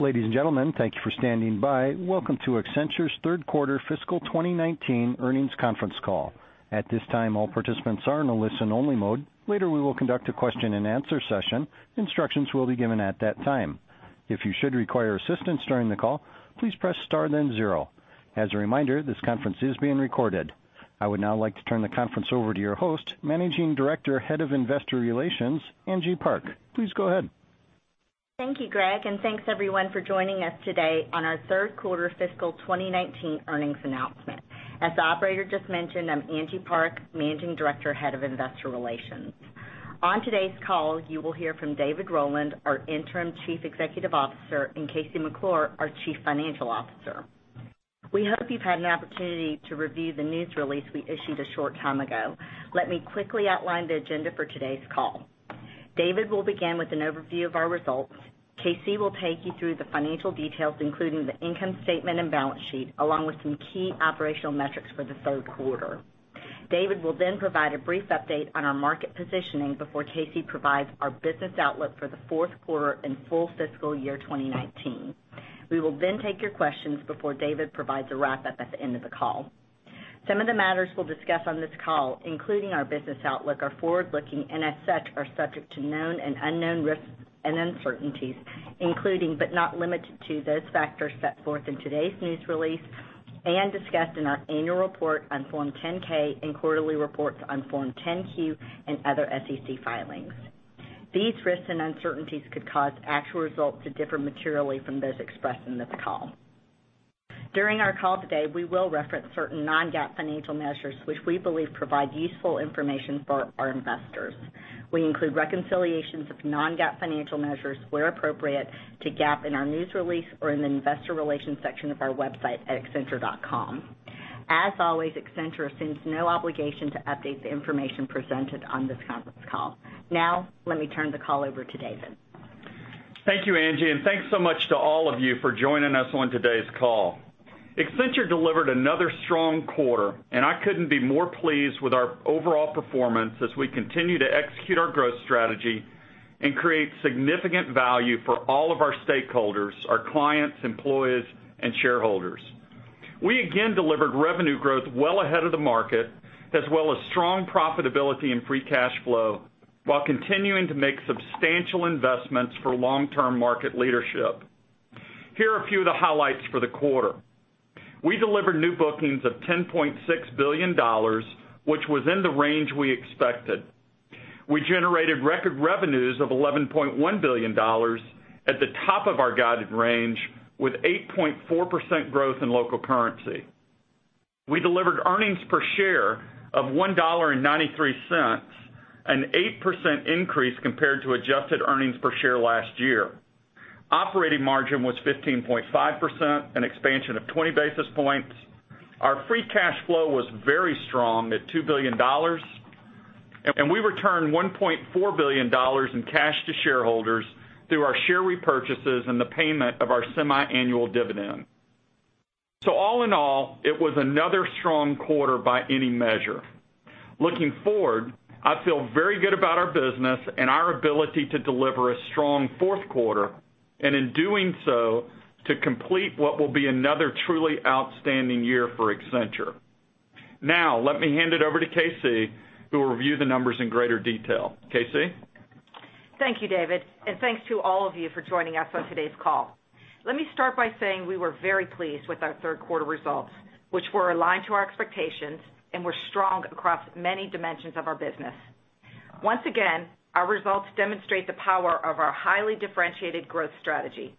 Ladies and gentlemen, thank you for standing by. Welcome to Accenture's third quarter fiscal 2019 earnings conference call. At this time, all participants are in a listen only mode. Later, we will conduct a question and answer session. Instructions will be given at that time. If you should require assistance during the call, please press star then zero. As a reminder, this conference is being recorded. I would now like to turn the conference over to your host, Managing Director, Head of Investor Relations, Angie Park. Please go ahead. Thank you, Greg, and thanks everyone for joining us today on our third quarter fiscal 2019 earnings announcement. As the operator just mentioned, I'm Angie Park, Managing Director, Head of Investor Relations. On today's call, you will hear from David Rowland, our Interim Chief Executive Officer, and KC McClure, our Chief Financial Officer. We hope you've had an opportunity to review the news release we issued a short time ago. Let me quickly outline the agenda for today's call. David will begin with an overview of our results. KC will take you through the financial details, including the income statement and balance sheet, along with some key operational metrics for the third quarter. David will then provide a brief update on our market positioning before KC provides our business outlook for the fourth quarter and full fiscal year 2019. We will then take your questions before David provides a wrap up at the end of the call. Some of the matters we'll discuss on this call, including our business outlook, are forward-looking, and as such, are subject to known and unknown risks and uncertainties, including, but not limited to, those factors set forth in today's news release and discussed in our annual report on Form 10-K and quarterly reports on Form 10-Q and other SEC filings. These risks and uncertainties could cause actual results to differ materially from those expressed in this call. During our call today, we will reference certain non-GAAP financial measures, which we believe provide useful information for our investors. We include reconciliations of non-GAAP financial measures where appropriate to GAAP in our news release or in the investor relations section of our website at accenture.com. As always, Accenture assumes no obligation to update the information presented on this conference call. Now, let me turn the call over to David. Thank you, Angie, and thanks so much to all of you for joining us on today's call. Accenture delivered another strong quarter. I couldn't be more pleased with our overall performance as we continue to execute our growth strategy and create significant value for all of our stakeholders, our clients, employees, and shareholders. We again delivered revenue growth well ahead of the market, as well as strong profitability and free cash flow, while continuing to make substantial investments for long-term market leadership. Here are a few of the highlights for the quarter. We delivered new bookings of $10.6 billion, which was in the range we expected. We generated record revenues of $11.1 billion at the top of our guided range with 8.4% growth in local currency. We delivered earnings per share of $1.93, an 8% increase compared to adjusted earnings per share last year. Operating margin was 15.5%, an expansion of 20 basis points. Our free cash flow was very strong at $2 billion. We returned $1.4 billion in cash to shareholders through our share repurchases and the payment of our semi-annual dividend. All in all, it was another strong quarter by any measure. Looking forward, I feel very good about our business and our ability to deliver a strong fourth quarter, and in doing so, to complete what will be another truly outstanding year for Accenture. Let me hand it over to KC, who will review the numbers in greater detail. KC? Thank you, David, and thanks to all of you for joining us on today's call. Let me start by saying we were very pleased with our third quarter results, which were aligned to our expectations and were strong across many dimensions of our business. Once again, our results demonstrate the power of our highly differentiated growth strategy.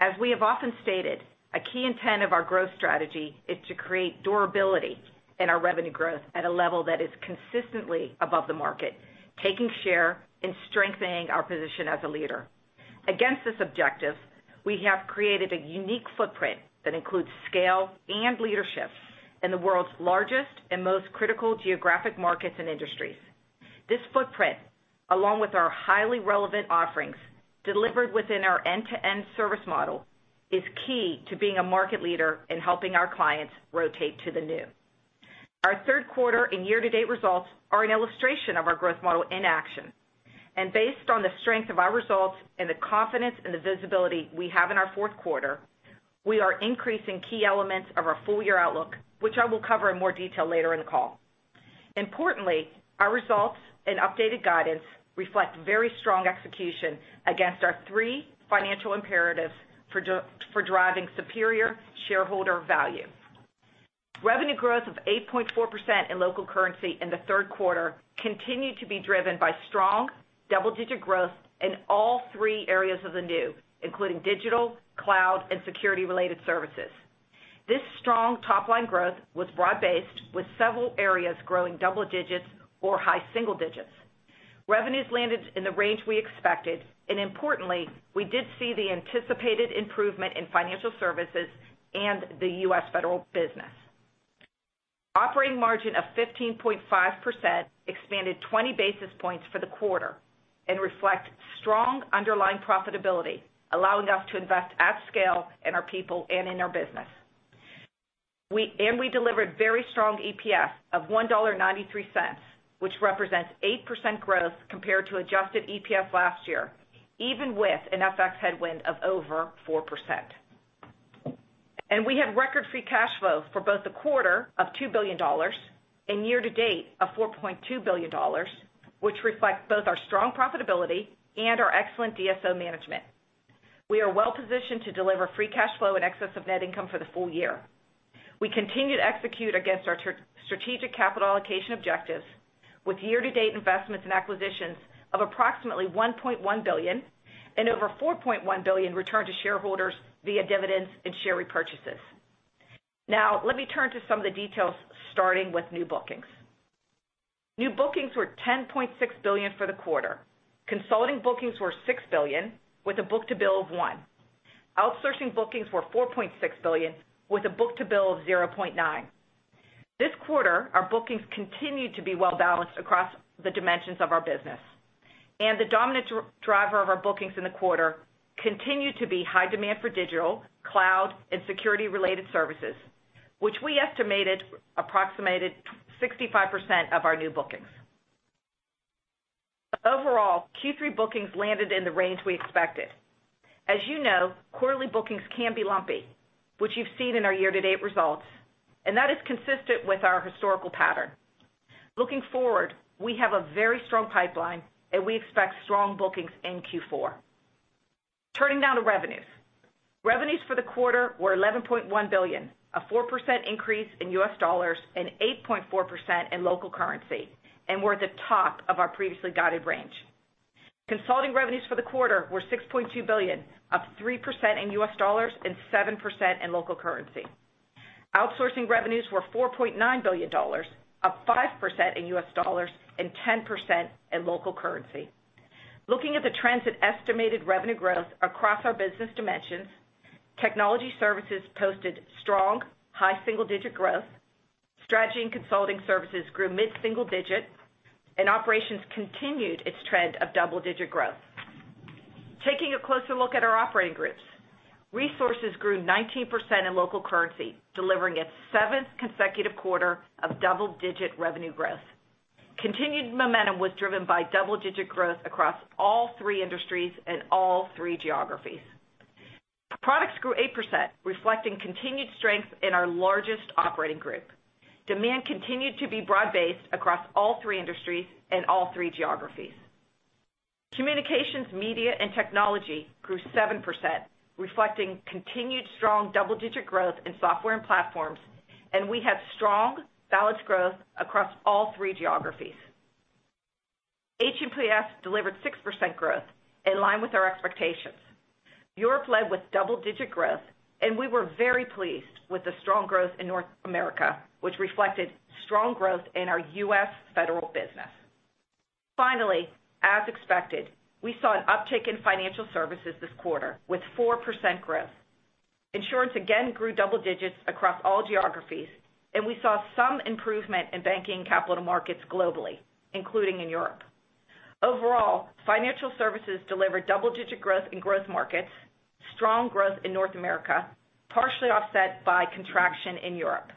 As we have often stated, a key intent of our growth strategy is to create durability in our revenue growth at a level that is consistently above the market, taking share and strengthening our position as a leader. Against this objective, we have created a unique footprint that includes scale and leadership in the world's largest and most critical geographic markets and industries. This footprint, along with our highly relevant offerings delivered within our end-to-end service model, is key to being a market leader in helping our clients rotate to the new. Our third quarter and year-to-date results are an illustration of our growth model in action. Based on the strength of our results and the confidence and the visibility we have in our fourth quarter, we are increasing key elements of our full-year outlook, which I will cover in more detail later in the call. Importantly, our results and updated guidance reflect very strong execution against our three financial imperatives for driving superior shareholder value. Revenue growth of 8.4% in local currency in the third quarter continued to be driven by strong double-digit growth in all three areas of the new, including digital, cloud, and security-related services. This strong top-line growth was broad-based, with several areas growing double digits or high single digits. Revenues landed in the range we expected, and importantly, we did see the anticipated improvement in financial services and the U.S. federal business. Operating margin of 15.5% expanded 20 basis points for the quarter and reflect strong underlying profitability, allowing us to invest at scale in our people and in our business. We delivered very strong EPS of $1.93, which represents 8% growth compared to adjusted EPS last year, even with an FX headwind of over 4%. We had record free cash flow for both the quarter of $2 billion and year to date of $4.2 billion, which reflects both our strong profitability and our excellent DSO management. We are well positioned to deliver free cash flow in excess of net income for the full year. We continue to execute against our strategic capital allocation objectives with year to date investments and acquisitions of approximately $1.1 billion and over $4.1 billion return to shareholders via dividends and share repurchases. Let me turn to some of the details, starting with new bookings. New bookings were $10.6 billion for the quarter. Consulting bookings were $6 billion with a book-to-bill of one. Outsourcing bookings were $4.6 billion with a book-to-bill of 0.9. This quarter, our bookings continued to be well-balanced across the dimensions of our business. The dominant driver of our bookings in the quarter continued to be high demand for digital, cloud, and security-related services, which we estimated approximated 65% of our new bookings. Overall, Q3 bookings landed in the range we expected. As you know, quarterly bookings can be lumpy, which you've seen in our year-to-date results, and that is consistent with our historical pattern. Looking forward, we have a very strong pipeline, and we expect strong bookings in Q4. Turning to revenues. Revenues for the quarter were $11.1 billion, a 4% increase in US dollars and 8.4% in local currency, and we're at the top of our previously guided range. Consulting revenues for the quarter were $6.2 billion, up 3% in US dollars and 7% in local currency. Outsourcing revenues were $4.9 billion, up 5% in US dollars and 10% in local currency. Looking at the trends that estimated revenue growth across our business dimensions, technology services posted strong, high single-digit growth, strategy and consulting services grew mid-single digit, and operations continued its trend of double-digit growth. Taking a closer look at our operating groups. Resources grew 19% in local currency, delivering its seventh consecutive quarter of double-digit revenue growth. Continued momentum was driven by double-digit growth across all three industries and all three geographies. Products grew 8%, reflecting continued strength in our largest operating group. Demand continued to be broad-based across all three industries and all three geographies. Communications, Media & Technology grew 7%, reflecting continued strong double-digit growth in software and platforms, and we have strong balanced growth across all three geographies. HMPS delivered 6% growth in line with our expectations. Europe led with double-digit growth. We were very pleased with the strong growth in North America, which reflected strong growth in our U.S. federal business. As expected, we saw an uptick in financial services this quarter with 4% growth. Insurance again grew double digits across all geographies. We saw some improvement in banking and capital markets globally, including in Europe. Financial services delivered double-digit growth in growth markets, strong growth in North America, partially offset by contraction in Europe.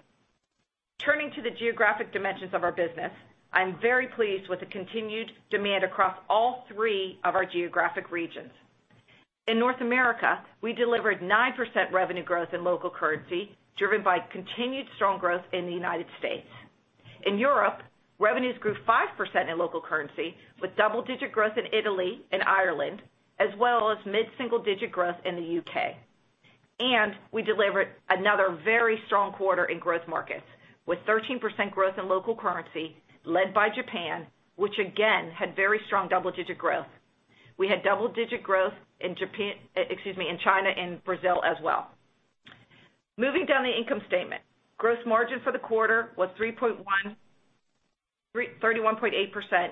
Turning to the geographic dimensions of our business, I'm very pleased with the continued demand across all three of our geographic regions. In North America, we delivered 9% revenue growth in local currency, driven by continued strong growth in the United States. In Europe, revenues grew 5% in local currency, with double-digit growth in Italy and Ireland, as well as mid-single digit growth in the U.K. We delivered another very strong quarter in growth markets with 13% growth in local currency led by Japan, which again had very strong double-digit growth. We had double-digit growth in China and Brazil as well. Moving down the income statement. Gross margin for the quarter was 31.8%,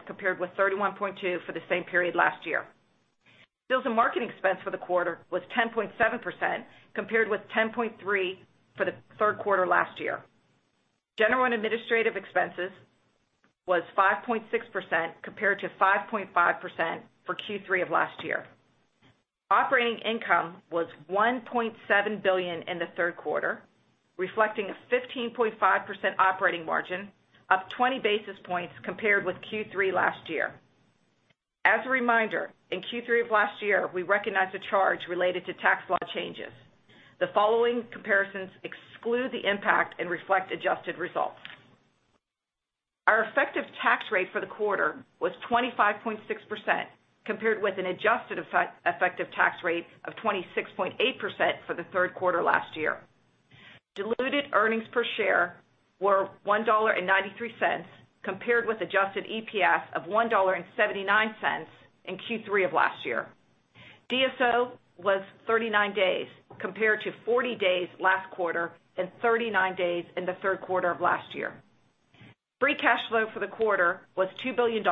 compared with 31.2% for the same period last year. Sales and marketing expense for the quarter was 10.7%, compared with 10.3% for the third quarter last year. General and administrative expenses was 5.6%, compared to 5.5% for Q3 of last year. Operating income was $1.7 billion in the third quarter, reflecting a 15.5% operating margin, up 20 basis points compared with Q3 last year. As a reminder, in Q3 of last year, we recognized a charge related to tax law changes. The following comparisons exclude the impact and reflect adjusted results. Our effective tax rate for the quarter was 25.6%, compared with an adjusted effective tax rate of 26.8% for the third quarter last year. Diluted earnings per share were $1.93 compared with adjusted EPS of $1.79 in Q3 of last year. DSO was 39 days compared to 40 days last quarter and 39 days in the third quarter of last year. Free cash flow for the quarter was $2 billion,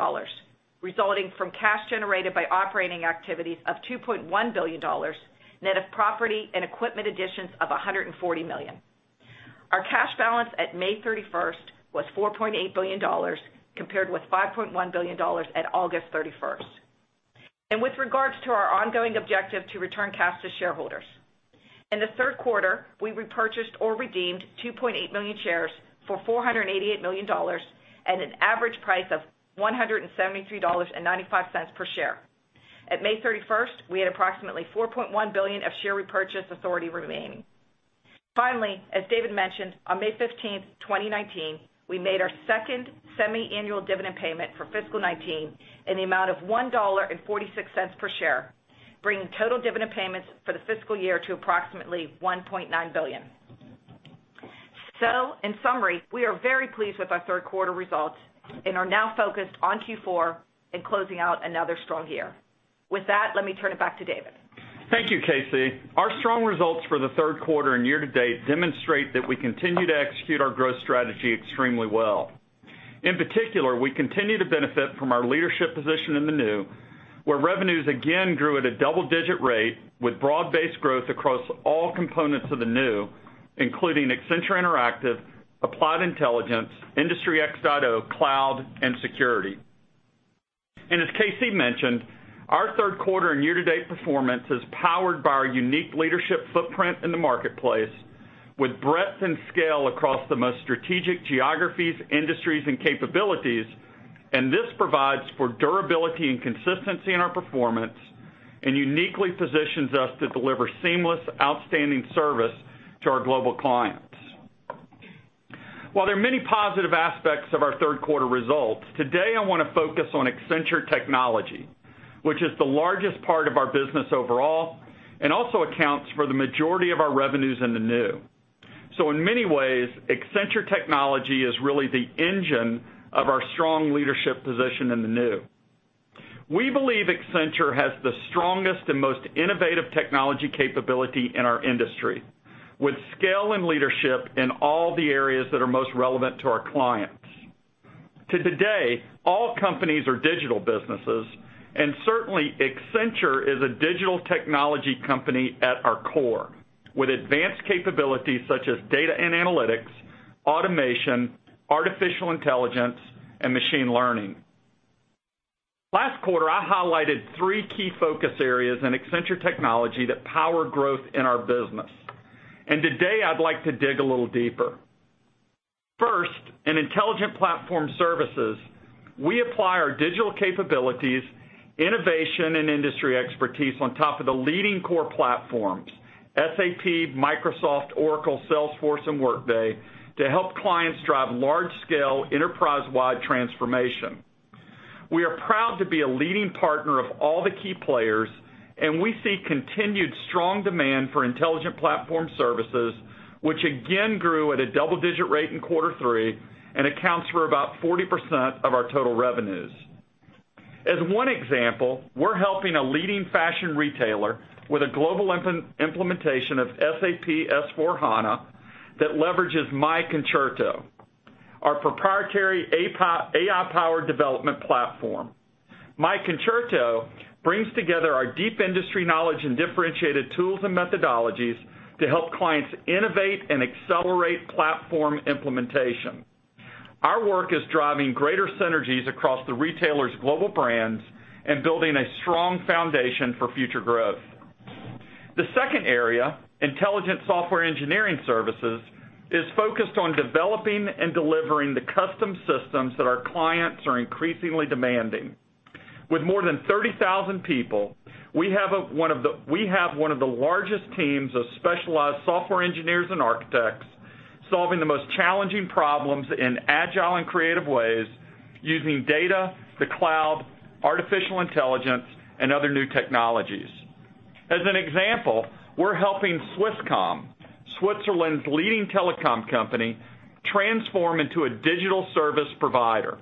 resulting from cash generated by operating activities of $2.1 billion, net of property and equipment additions of $140 million. Our cash balance at May 31st was $4.8 billion, compared with $5.1 billion at August 31st. With regards to our ongoing objective to return cash to shareholders. In the third quarter, we repurchased or redeemed 2.8 million shares for $488 million at an average price of $173.95 per share. At May 31st, we had approximately $4.1 billion of share repurchase authority remaining. As David mentioned, on May 15th, 2019, we made our second semi-annual dividend payment for fiscal 2019 in the amount of $1.46 per share, bringing total dividend payments for the fiscal year to approximately $1.9 billion. In summary, we are very pleased with our third quarter results and are now focused on Q4 and closing out another strong year. With that, let me turn it back to David. Thank you, KC. Our strong results for the third quarter and year to date demonstrate that we continue to execute our growth strategy extremely well. In particular, we continue to benefit from our leadership position in the new, where revenues again grew at a double-digit rate with broad-based growth across all components of the new, including Accenture Interactive, Applied Intelligence, Industry X.0, Cloud, and Security. As KC mentioned, our third quarter and year-to-date performance is powered by our unique leadership footprint in the marketplace with breadth and scale across the most strategic geographies, industries, and capabilities, this provides for durability and consistency in our performance and uniquely positions us to deliver seamless, outstanding service to our global clients. While there are many positive aspects of our third quarter results, today I want to focus on Accenture Technology, which is the largest part of our business overall, and also accounts for the majority of our revenues in the new. In many ways, Accenture Technology is really the engine of our strong leadership position in the new. We believe Accenture has the strongest and most innovative technology capability in our industry, with scale and leadership in all the areas that are most relevant to our clients. Today, all companies are digital businesses, and certainly Accenture is a digital technology company at our core with advanced capabilities such as data and analytics, automation, artificial intelligence, and machine learning. Last quarter, I highlighted three key focus areas in Accenture Technology that power growth in our business. Today, I'd like to dig a little deeper. First, in intelligent platform services, we apply our digital capabilities, innovation, and industry expertise on top of the leading core platforms, SAP, Microsoft, Oracle, Salesforce, and Workday, to help clients drive large-scale, enterprise-wide transformation. We are proud to be a leading partner of all the key players, we see continued strong demand for intelligent platform services, which again grew at a double-digit rate in quarter three and accounts for about 40% of our total revenues. As one example, we're helping a leading fashion retailer with a global implementation of SAP S/4HANA that leverages myConcerto, our proprietary AI-powered development platform. myConcerto brings together our deep industry knowledge and differentiated tools and methodologies to help clients innovate and accelerate platform implementation. Our work is driving greater synergies across the retailer's global brands and building a strong foundation for future growth. The second area, intelligent software engineering services, is focused on developing and delivering the custom systems that our clients are increasingly demanding. With more than 30,000 people, we have one of the largest teams of specialized software engineers and architects solving the most challenging problems in agile and creative ways using data, the cloud, artificial intelligence, and other new technologies. As an example, we're helping Swisscom, Switzerland's leading telecom company, transform into a digital service provider.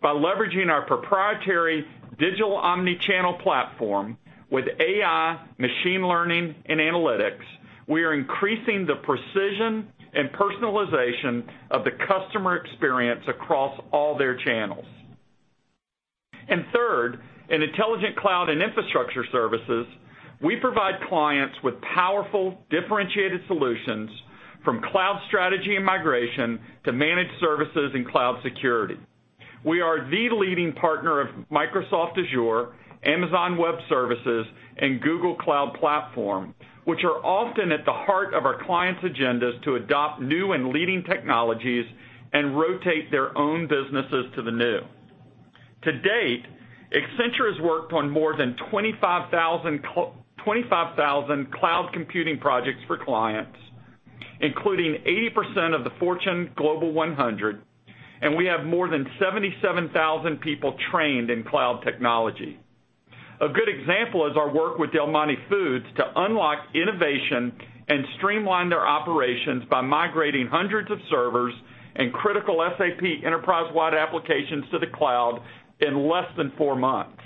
By leveraging our proprietary digital omni-channel platform with AI, machine learning, and analytics, we are increasing the precision and personalization of the customer experience across all their channels. Third, in intelligent cloud and infrastructure services, we provide clients with powerful, differentiated solutions from cloud strategy and migration to managed services and cloud security. We are the leading partner of Microsoft Azure, Amazon Web Services, and Google Cloud Platform, which are often at the heart of our clients' agendas to adopt new and leading technologies and rotate their own businesses to the new. To date, Accenture has worked on more than 25,000 cloud computing projects for clients, including 80% of the Fortune Global 100, and we have more than 77,000 people trained in cloud technology. A good example is our work with Del Monte Foods to unlock innovation and streamline their operations by migrating hundreds of servers and critical SAP enterprise-wide applications to the cloud in less than four months.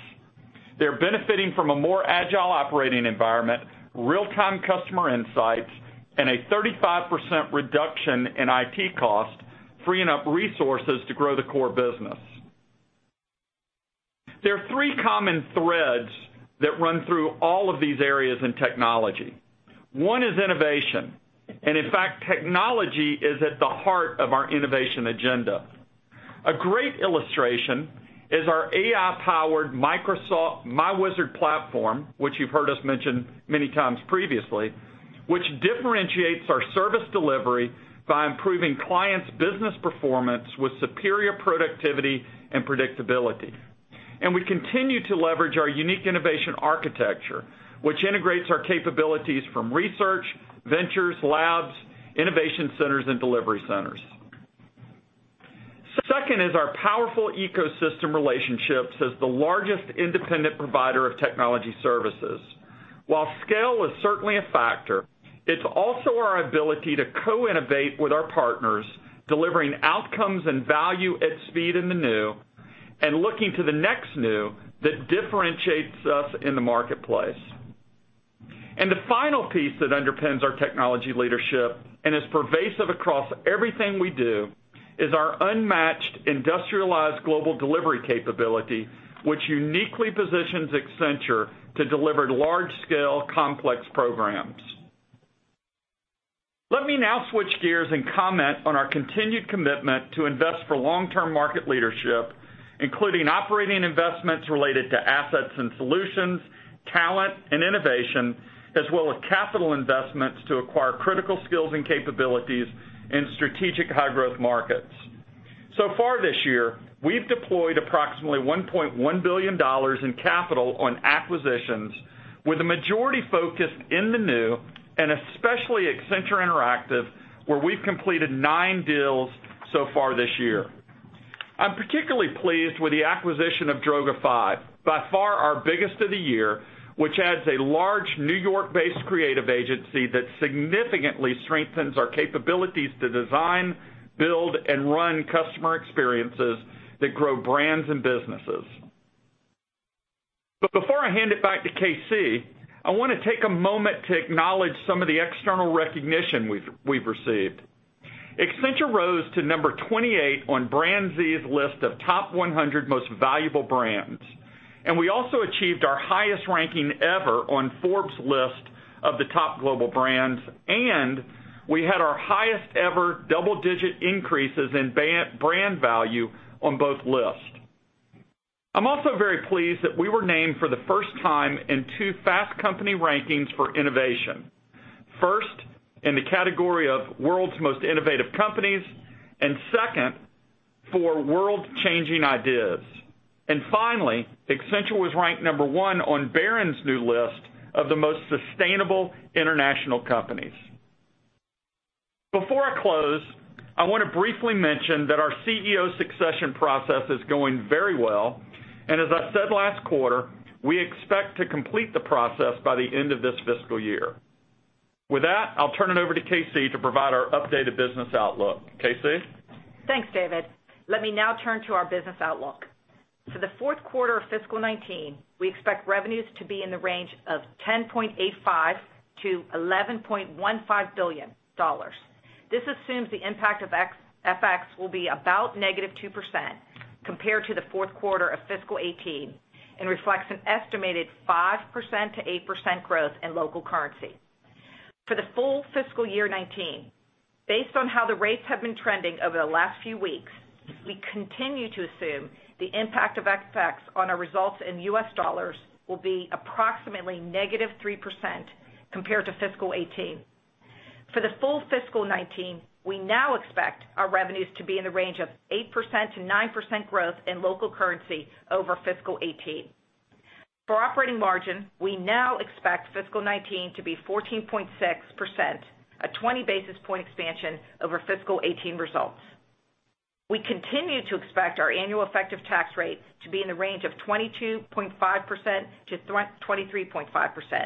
They're benefiting from a more agile operating environment, real-time customer insights, and a 35% reduction in IT costs, freeing up resources to grow the core business. There are three common threads that run through all of these areas in technology. One is innovation. In fact, technology is at the heart of our innovation agenda. A great illustration is our AI-powered Microsoft myWizard platform, which you've heard us mention many times previously, which differentiates our service delivery by improving clients' business performance with superior productivity and predictability. We continue to leverage our unique innovation architecture, which integrates our capabilities from research, ventures, labs, innovation centers, and delivery centers. Second is our powerful ecosystem relationships as the largest independent provider of technology services. While scale is certainly a factor, it's also our ability to co-innovate with our partners, delivering outcomes and value at speed in the new, and looking to the next new that differentiates us in the marketplace. The final piece that underpins our technology leadership and is pervasive across everything we do is our unmatched industrialized global delivery capability, which uniquely positions Accenture to deliver large-scale complex programs. Let me now switch gears and comment on our continued commitment to invest for long-term market leadership, including operating investments related to assets and solutions, talent, and innovation, as well as capital investments to acquire critical skills and capabilities in strategic high-growth markets. So far this year, we've deployed approximately $1.1 billion in capital on acquisitions, with the majority focused in the new and especially Accenture Interactive, where we've completed nine deals so far this year. I'm particularly pleased with the acquisition of Droga5, by far our biggest of the year, which adds a large New York-based creative agency that significantly strengthens our capabilities to design, build, and run customer experiences that grow brands and businesses. Before I hand it back to KC, I want to take a moment to acknowledge some of the external recognition we've received. Accenture rose to number 28 on BrandZ's list of Top 100 Most Valuable Brands. We also achieved our highest ranking ever on Forbes' list of the top global brands. We had our highest ever double-digit increases in brand value on both lists. I'm also very pleased that we were named for the first time in two Fast Company rankings for innovation. First, in the category of World's Most Innovative Companies, and second, for World Changing Ideas. Finally, Accenture was ranked number one on Barron's new list of the Most Sustainable International Companies. Before I close, I want to briefly mention that our CEO succession process is going very well, and as I said last quarter, we expect to complete the process by the end of this fiscal year. With that, I'll turn it over to KC to provide our updated business outlook. KC? Thanks, David. Let me now turn to our business outlook. For the fourth quarter of fiscal 2019, we expect revenues to be in the range of $10.85 billion-$11.15 billion. This assumes the impact of FX will be about negative 2% compared to the fourth quarter of fiscal 2018 and reflects an estimated 5%-8% growth in local currency. For the full fiscal year 2019, based on how the rates have been trending over the last few weeks, we continue to assume the impact of FX on our results in US dollars will be approximately negative 3% compared to fiscal 2018. For the full fiscal 2019, we now expect our revenues to be in the range of 8%-9% growth in local currency over fiscal 2018. For operating margin, we now expect fiscal 2019 to be 14.6%, a 20-basis point expansion over fiscal 2018 results. We continue to expect our annual effective tax rates to be in the range of 22.5%-23.5%.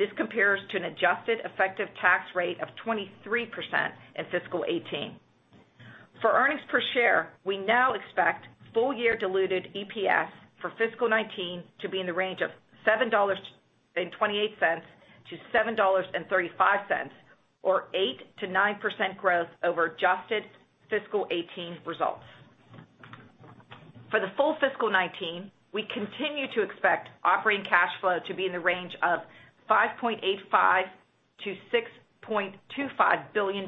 This compares to an adjusted effective tax rate of 23% in fiscal 2018. For earnings per share, we now expect full-year diluted EPS for fiscal 2019 to be in the range of $7.28-$7.35 or 8%-9% growth over adjusted fiscal 2018 results. For the full fiscal 2019, we continue to expect operating cash flow to be in the range of $5.85 billion-$6.25 billion.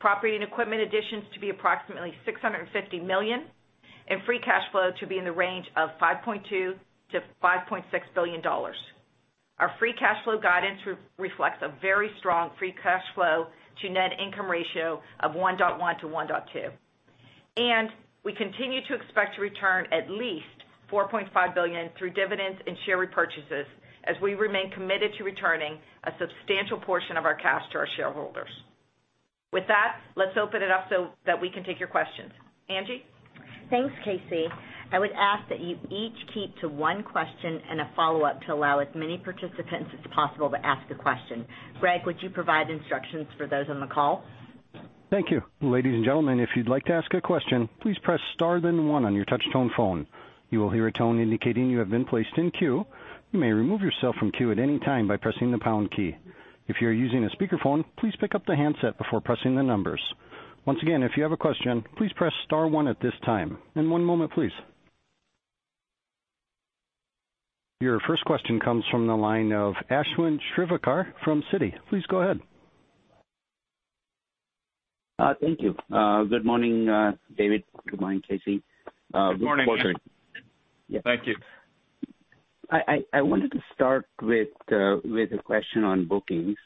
Property and equipment additions to be approximately $650 million and free cash flow to be in the range of $5.2 billion-$5.6 billion. Our free cash flow guidance reflects a very strong free cash flow to net income ratio of 1.1 to 1.2. We continue to expect to return at least $4.5 billion through dividends and share repurchases as we remain committed to returning a substantial portion of our cash to our shareholders. With that, let's open it up so that we can take your questions. Angie? Thanks, KC. I would ask that you each keep to one question and a follow-up to allow as many participants as possible to ask a question. Greg, would you provide instructions for those on the call? Thank you. Ladies and gentlemen, if you'd like to ask a question, please press star then one on your touch-tone phone. You will hear a tone indicating you have been placed in queue. You may remove yourself from queue at any time by pressing the pound key. If you are using a speakerphone, please pick up the handset before pressing the numbers. Once again, if you have a question, please press star one at this time. One moment, please. Your first question comes from the line of Ashwin Shirvaikar from Citi. Please go ahead. Thank you. Good morning, David. Good morning, KC. Good morning. Thank you. I wanted to start with a question on bookings,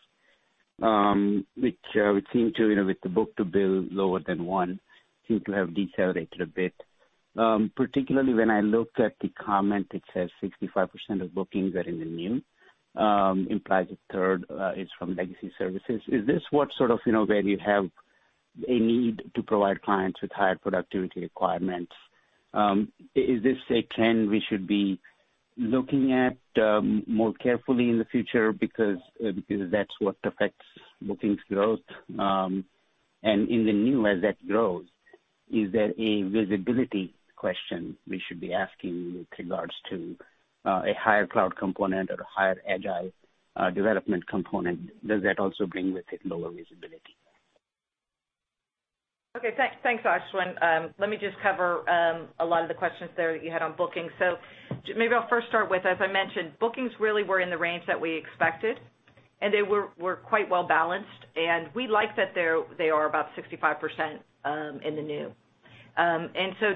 which would seem to, with the book-to-bill lower than one, have decelerated a bit. Particularly when I look at the comment that says 65% of bookings are in the new, implies a third is from legacy services. Is this what sort of where you have a need to provide clients with higher productivity requirements? Is this a trend we should be looking at more carefully in the future because that's what affects bookings growth? In the new, as that grows, is there a visibility question we should be asking with regards to a higher cloud component or a higher agile development component? Does that also bring with it lower visibility? Okay. Thanks, Ashwin. Let me just cover a lot of the questions there that you had on bookings. Maybe I'll first start with, as I mentioned, bookings really were in the range that we expected, and they were quite well-balanced, and we like that they are about 65% in the new.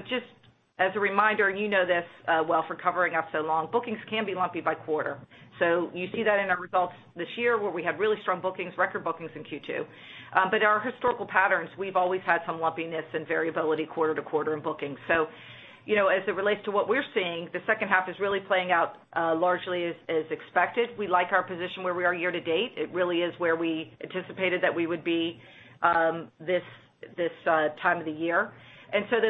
Just as a reminder, you know this well for covering us so long, bookings can be lumpy by quarter. You see that in our results this year, where we had really strong bookings, record bookings in Q2. Our historical patterns, we've always had some lumpiness and variability quarter to quarter in bookings. As it relates to what we're seeing, the second half is really playing out largely as expected. We like our position where we are year to date. It really is where we anticipated that we would be this time of the year.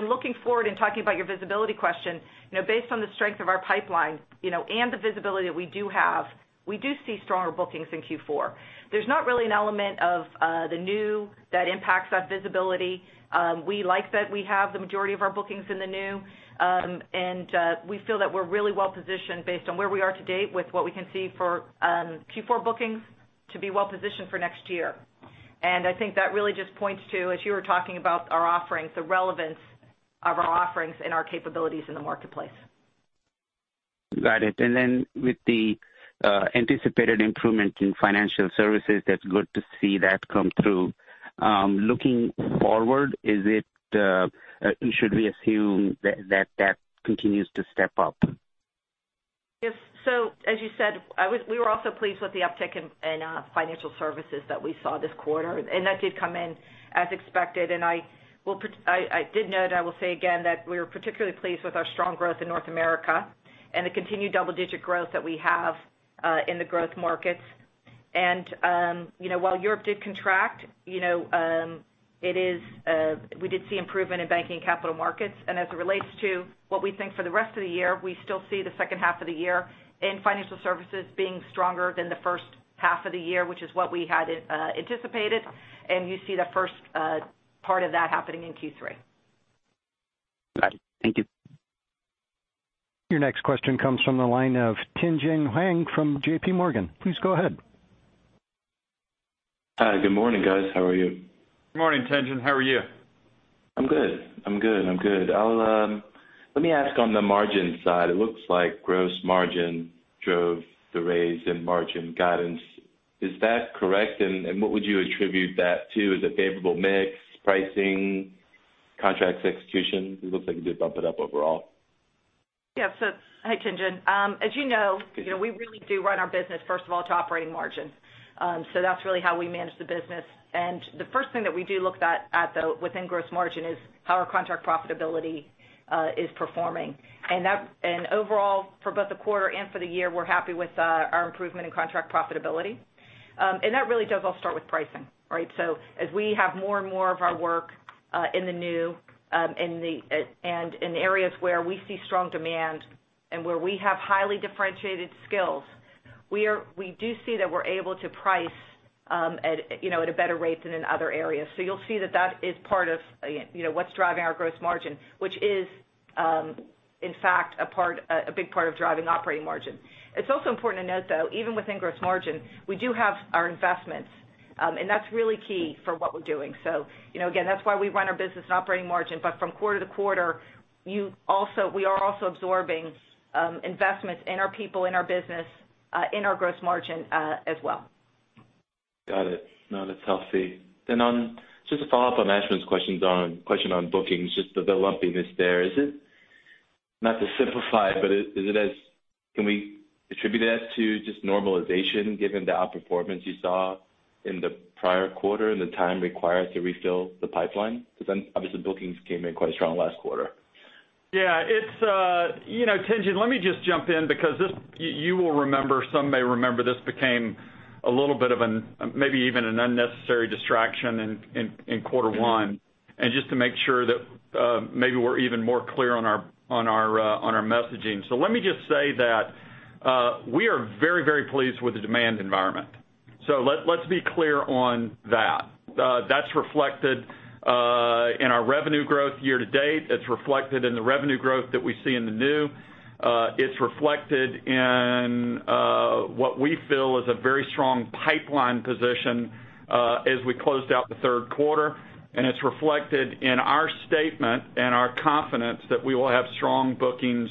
Looking forward and talking about your visibility question, based on the strength of our pipeline, and the visibility that we do have, we do see stronger bookings in Q4. There's not really an element of the new that impacts that visibility. We like that we have the majority of our bookings in the new. We feel that we're really well-positioned based on where we are to date with what we can see for Q4 bookings to be well-positioned for next year. I think that really just points to, as you were talking about our offerings, the relevance of our offerings and our capabilities in the marketplace. Got it. Then with the anticipated improvement in financial services, that's good to see that come through. Looking forward, should we assume that continues to step up? As you said, we were also pleased with the uptick in financial services that we saw this quarter, that did come in as expected, I did note, I will say again that we were particularly pleased with our strong growth in North America and the continued double-digit growth that we have in the growth markets. While Europe did contract, we did see improvement in banking and capital markets. As it relates to what we think for the rest of the year, we still see the second half of the year in financial services being stronger than the first half of the year, which is what we had anticipated. You see the first part of that happening in Q3. Got it. Thank you. Your next question comes from the line of Tien-Tsin Huang from JPMorgan. Please go ahead. Hi. Good morning, guys. How are you? Good morning, Tien-Tsin. How are you? I'm good. Let me ask on the margin side, it looks like gross margin drove the raise in margin guidance. Is that correct? What would you attribute that to? Is it favorable mix, pricing, contracts execution? It looks like you did bump it up overall. Yeah. Hi, Tien-Tsin. As you know, we really do run our business, first of all, to operating margin. That's really how we manage the business. The first thing that we do look at though within gross margin is how our contract profitability is performing. Overall, for both the quarter and for the year, we're happy with our improvement in contract profitability. That really does all start with pricing, right? As we have more and more of our work in the new, and in areas where we see strong demand and where we have highly differentiated skills, we do see that we're able to price at a better rate than in other areas. You'll see that that is part of what's driving our gross margin, which is, in fact, a big part of driving operating margin. It's also important to note, though, even within gross margin, we do have our investments. That's really key for what we're doing. Again, that's why we run our business on operating margin, from quarter to quarter, we are also absorbing investments in our people, in our business, in our gross margin as well. Got it. No, that's healthy. Just to follow up on Ashwin's question on bookings, just the lumpiness there. Not to simplify it, can we attribute it as to just normalization given the outperformance you saw in the prior quarter and the time required to refill the pipeline? Obviously bookings came in quite strong last quarter. Yeah. Tien-Tsin, let me just jump in because you will remember, some may remember this became a little bit of an, maybe even an unnecessary distraction in quarter one. Just to make sure that maybe we're even more clear on our messaging. Let me just say that we are very, very pleased with the demand environment. Let's be clear on that. That's reflected in our revenue growth year-to-date. It's reflected in the revenue growth that we see in the new. It's reflected in- What we feel is a very strong pipeline position as we closed out the third quarter, and it's reflected in our statement and our confidence that we will have strong bookings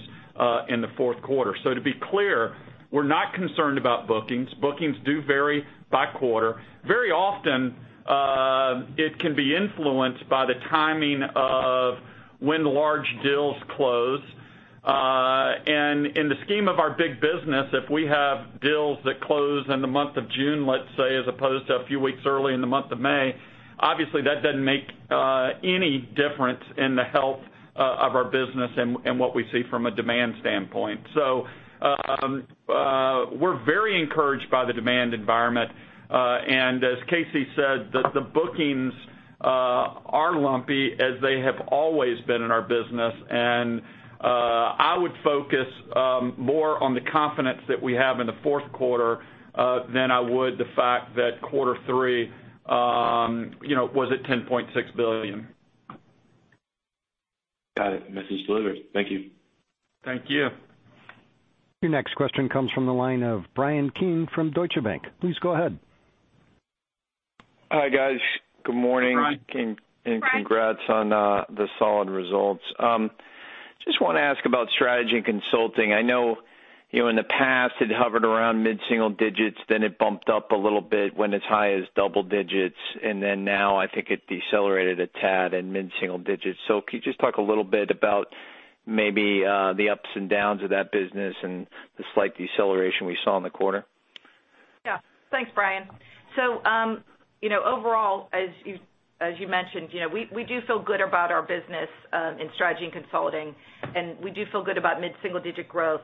in the fourth quarter. To be clear, we're not concerned about bookings. Bookings do vary by quarter. Very often, it can be influenced by the timing of when large deals close. In the scheme of our big business, if we have deals that close in the month of June, let's say, as opposed to a few weeks early in the month of May, obviously that doesn't make any difference in the health of our business and what we see from a demand standpoint. We're very encouraged by the demand environment. As Casey said, the bookings are lumpy as they have always been in our business. I would focus more on the confidence that we have in the fourth quarter than I would the fact that quarter three was at $10.6 billion. Got it, message delivered. Thank you. Thank you. Your next question comes from the line of Bryan Keane from Deutsche Bank. Please go ahead. Hi, guys. Good morning. Bryan. Congrats on the solid results. Just want to ask about strategy and consulting. I know in the past, it hovered around mid-single digits, then it bumped up a little bit, went as high as double digits, then now I think it decelerated a tad in mid-single digits. Can you just talk a little bit about maybe the ups and downs of that business and the slight deceleration we saw in the quarter? Yeah. Thanks, Bryan. Overall, as you mentioned, we do feel good about our business in strategy and consulting, and we do feel good about mid-single-digit growth.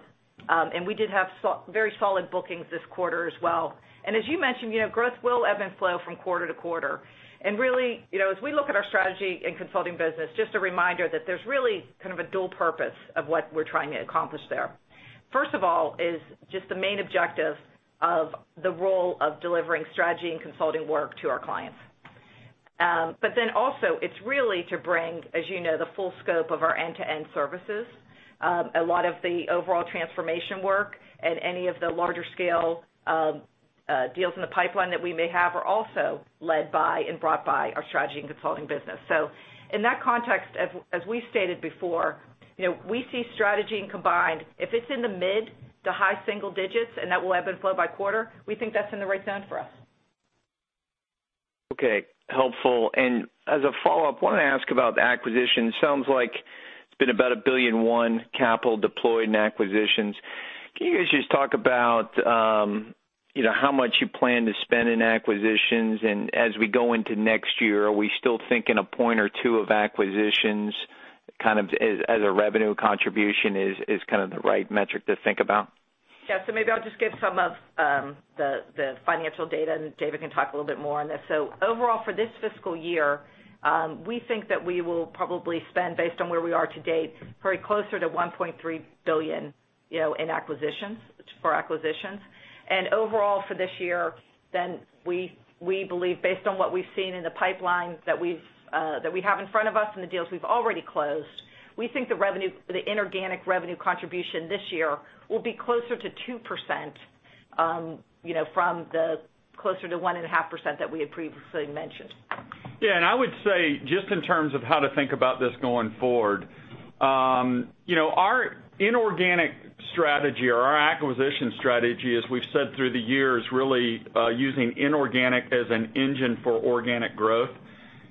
We did have very solid bookings this quarter as well. As you mentioned, growth will ebb and flow from quarter to quarter. Really, as we look at our strategy and consulting business, just a reminder that there's really a dual purpose of what we're trying to accomplish there. First of all is just the main objective of the role of delivering strategy and consulting work to our clients. Also it's really to bring, as you know, the full scope of our end-to-end services. A lot of the overall transformation work and any of the larger scale deals in the pipeline that we may have are also led by and brought by our strategy and consulting business. In that context, as we stated before, we see strategy and combined, if it's in the mid to high single digits, that will ebb and flow by quarter, we think that's in the right zone for us. Okay. Helpful. As a follow-up, wanted to ask about the acquisition. It sounds like it's been about $1.1 billion capital deployed in acquisitions. Can you guys just talk about how much you plan to spend in acquisitions and as we go into next year, are we still thinking 1% or 2% of acquisitions as a revenue contribution is the right metric to think about? Yeah. Maybe I'll just give some of the financial data, and David can talk a little bit more on this. Overall for this fiscal year, we think that we will probably spend based on where we are to date, probably closer to $1.3 billion in acquisitions. Overall for this year, we believe based on what we've seen in the pipeline that we have in front of us and the deals we've already closed, we think the inorganic revenue contribution this year will be closer to 2%, from the closer to 1.5% that we had previously mentioned. Yeah. I would say, just in terms of how to think about this going forward. Our inorganic strategy or our acquisition strategy, as we've said through the years, really using inorganic as an engine for organic growth.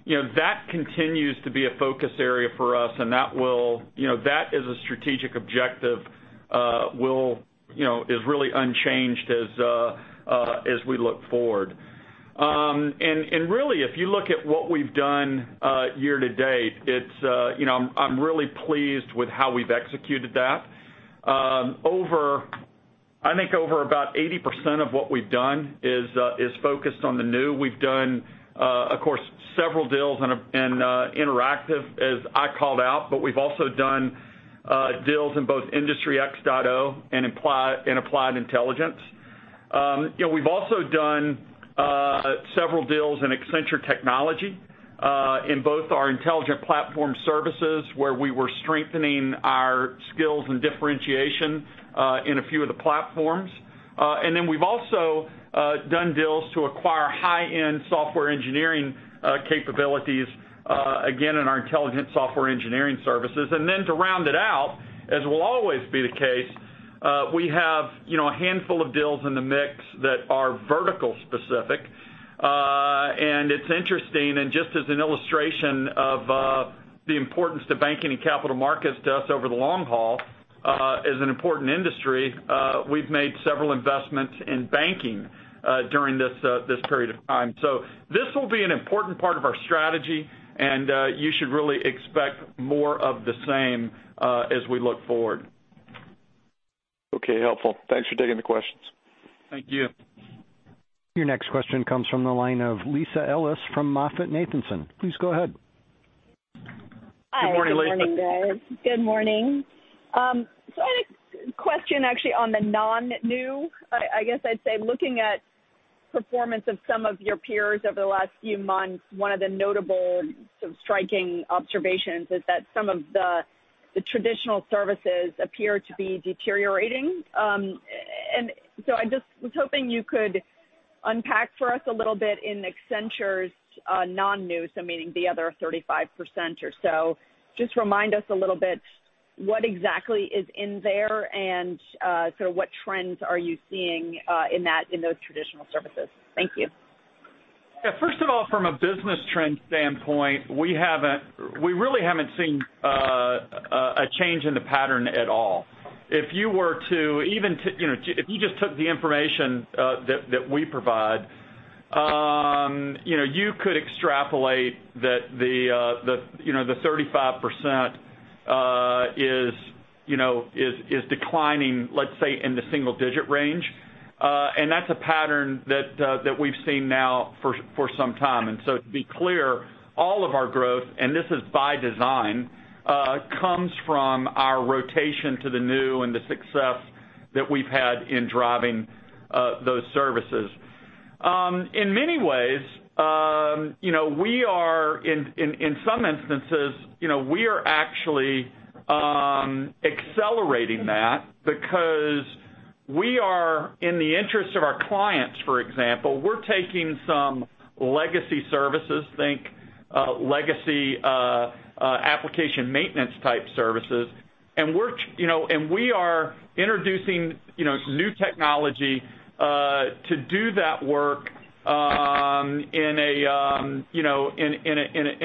That continues to be a focus area for us, and that as a strategic objective is really unchanged as we look forward. Really, if you look at what we've done year to date, I'm really pleased with how we've executed that. I think over about 80% of what we've done is focused on the new. We've done, of course, several deals in Accenture Interactive as I called out, but we've also done deals in both Industry X.0 and Applied Intelligence. We've also done several deals in Accenture technology, in both our intelligent platform services, where we were strengthening our skills and differentiation in a few of the platforms. We've also done deals to acquire high-end software engineering capabilities, again, in our intelligent software engineering services. To round it out, as will always be the case, we have a handful of deals in the mix that are vertical specific. It's interesting, just as an illustration of the importance to banking and capital markets to us over the long haul, as an important industry, we've made several investments in banking during this period of time. This will be an important part of our strategy, and you should really expect more of the same as we look forward. Okay, helpful. Thanks for taking the questions. Thank you. Your next question comes from the line of Lisa from MoffettNathanson. Please go ahead. Good morning, Lisa. Hi, good morning, guys. Good morning. I had a question actually on the non-new, I guess I'd say, looking at. Performance of some of your peers over the last few months, one of the notable striking observations is that some of the traditional services appear to be deteriorating. I just was hoping you could unpack for us a little bit in Accenture's non-new, meaning the other 35% or so. Just remind us a little bit what exactly is in there and what trends are you seeing in those traditional services. Thank you. Yeah, first of all, from a business trend standpoint, we really haven't seen a change in the pattern at all. If you just took the information that we provide, you could extrapolate that the 35% is declining, let's say, in the single-digit range. That's a pattern that we've seen now for some time. To be clear, all of our growth, and this is by design, comes from our rotation to the new and the success that we've had in driving those services. In many ways, in some instances, we are actually accelerating that because we are, in the interest of our clients, for example, we're taking some legacy services, think legacy application maintenance type services, and we are introducing new technology to do that work in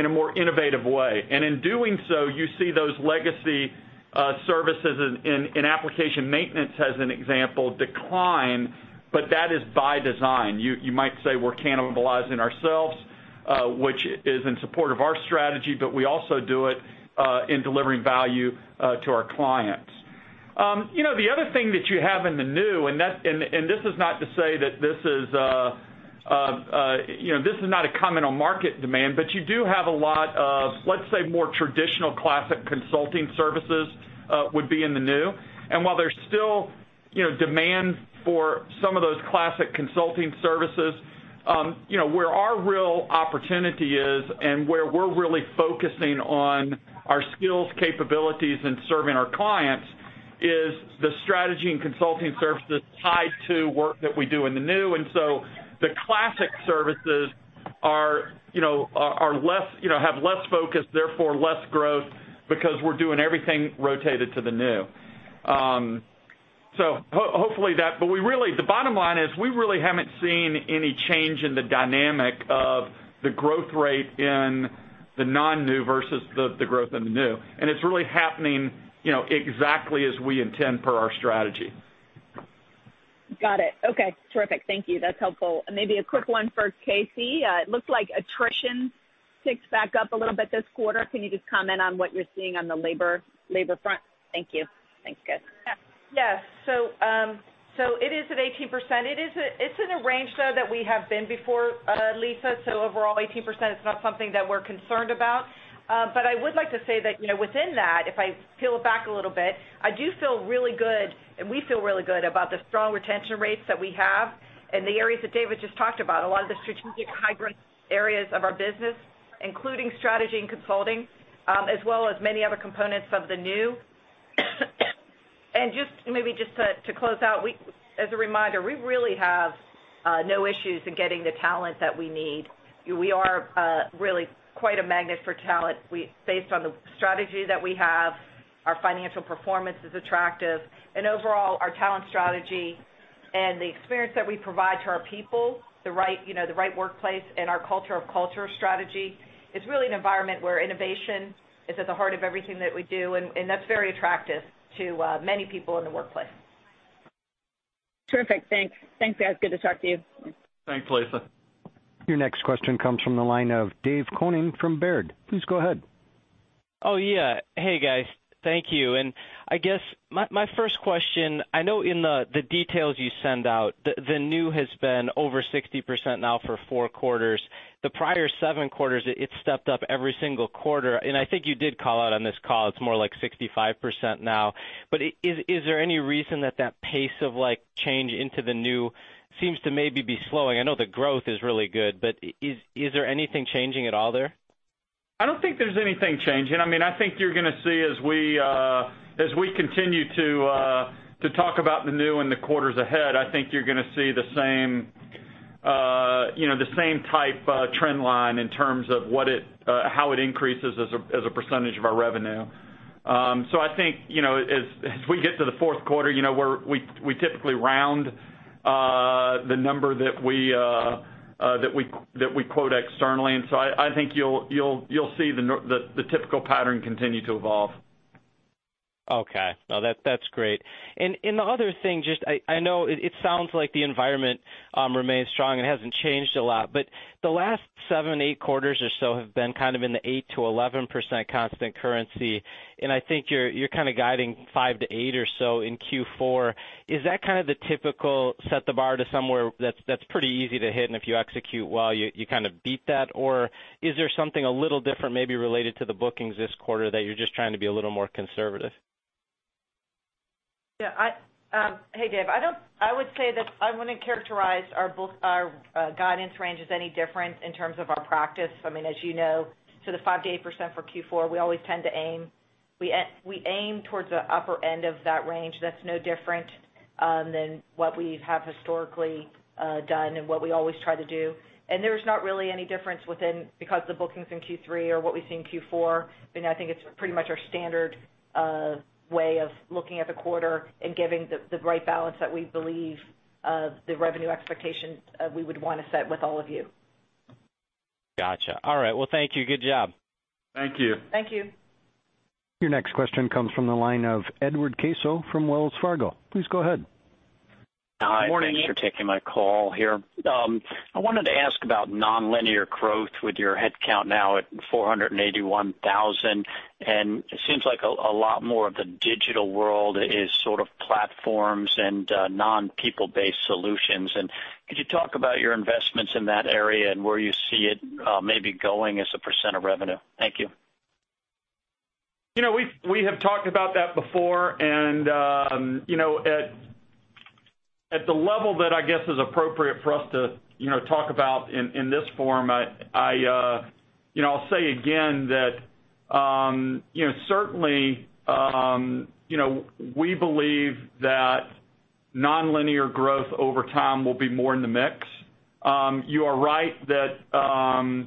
a more innovative way. In doing so, you see those legacy services in application maintenance, as an example, decline, but that is by design. You might say we're cannibalizing ourselves, which is in support of our strategy, but we also do it in delivering value to our clients. The other thing that you have in the new, and this is not to say that this is a comment on market demand, but you do have a lot of, let's say, more traditional classic consulting services would be in the new. While there's still demand for some of those classic consulting services, where our real opportunity is and where we're really focusing on our skills, capabilities, and serving our clients is the strategy and consulting services tied to work that we do in the new. The classic services have less focus, therefore less growth, because we're doing everything rotated to the new. The bottom line is we really haven't seen any change in the dynamic of the growth rate in the non-new versus the growth in the new, and it's really happening exactly as we intend per our strategy. Got it. Okay, terrific. Thank you. That's helpful. Maybe a quick one for KC. It looks like attrition ticks back up a little bit this quarter. Can you just comment on what you're seeing on the labor front? Thank you. Thanks, guys. Yeah. It is at 18%. It's in a range, though, that we have been before, Lisa. Overall, 18% is not something that we're concerned about. I would like to say that within that, if I peel it back a little bit, I do feel really good, and we feel really good about the strong retention rates that we have in the areas that David just talked about, a lot of the strategic high-growth areas of our business, including strategy and consulting, as well as many other components of the new. Maybe just to close out, as a reminder, we really have no issues in getting the talent that we need. We are really quite a magnet for talent based on the strategy that we have. Our financial performance is attractive, overall, our talent strategy and the experience that we provide to our people, the right workplace, and our culture of culture strategy is really an environment where innovation is at the heart of everything that we do, that's very attractive to many people in the workplace. Terrific. Thanks. Thanks, guys. Good to talk to you. Thanks, Lisa. Your next question comes from the line of Dave Koning from Baird. Please go ahead. Oh, yeah. Hey, guys. Thank you. I guess my first question, I know in the details you send out, the new has been over 60% now for four quarters. The prior seven quarters, it stepped up every single quarter, and I think you did call out on this call, it's more like 65% now. Is there any reason that that pace of change into the new seems to maybe be slowing? I know the growth is really good, but is there anything changing at all there? I don't think there's anything changing. I think you're going to see as we continue to talk about the new in the quarters ahead, I think you're going to see the same type trend line in terms of how it increases as a percentage of our revenue. I think as we get to the fourth quarter, we typically round the number that we quote externally. I think you'll see the typical pattern continue to evolve. Okay. No, that's great. The other thing, I know it sounds like the environment remains strong and hasn't changed a lot. The last seven, eight quarters or so have been in the 8%-11% constant currency. I think you're guiding 5% to 8% or so in Q4. Is that the typical set the bar to somewhere that's pretty easy to hit, and if you execute well, you beat that? Is there something a little different maybe related to the bookings this quarter that you're just trying to be a little more conservative? Yeah. Hey, Dave, I wouldn't characterize our guidance range as any different in terms of our practice. As you know, the 5%-8% for Q4, we aim towards the upper end of that range. That's no different than what we have historically done and what we always try to do. There's not really any difference within, because the bookings in Q3 or what we see in Q4, I think it's pretty much our standard way of looking at the quarter and giving the right balance that we believe of the revenue expectations we would want to set with all of you. Got you. All right. Well, thank you. Good job. Thank you. Thank you. Your next question comes from the line of Ed Caso from Wells Fargo. Please go ahead. Morning. Morning, Ed. Thanks for taking my call here. I wanted to ask about nonlinear growth with your headcount now at 481,000, it seems like a lot more of the digital world is platforms and non-people-based solutions. Could you talk about your investments in that area and where you see it maybe going as a % of revenue? Thank you. We have talked about that before, and at the level that I guess is appropriate for us to talk about in this forum, I'll say again that certainly, we believe that nonlinear growth over time will be more in the mix. You are right that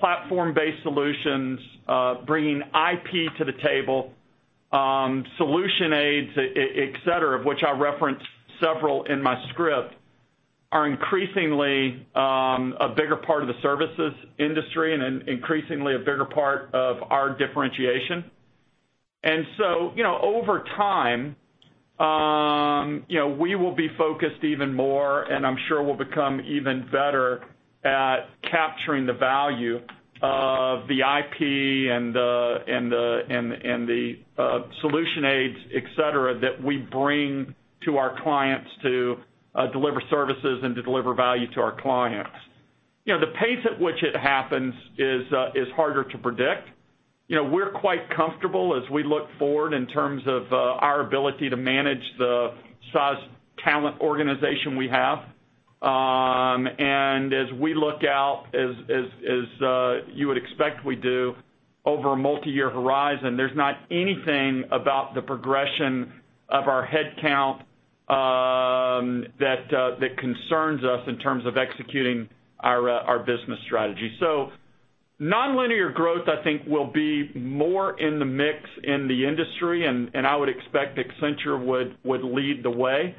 platform-based solutions, bringing IP to the table, solution aids, et cetera, of which I referenced several in my script, are increasingly a bigger part of the services industry and increasingly a bigger part of our differentiation. Over time, we will be focused even more, and I'm sure we'll become even better at capturing the value of the IP and the solution aids, et cetera, that we bring to our clients to deliver services and to deliver value to our clients. The pace at which it happens is harder to predict. We're quite comfortable as we look forward in terms of our ability to manage the size talent organization we have. As we look out, as you would expect we do, over a multi-year horizon, there's not anything about the progression of our headcount that concerns us in terms of executing our business strategy. Nonlinear growth, I think, will be more in the mix in the industry, and I would expect Accenture would lead the way.